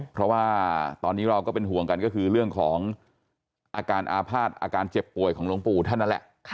เพราะว่าตอนนี้เราก็เป็นห่วงกันก็คือเรื่องของอาการอาภาษณ์อาการเจ็บป่วยของหลวงปู่ท่านนั่นแหละ